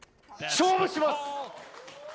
勝負します！